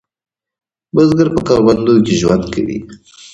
بزګر په کروندو کې ژوند کوي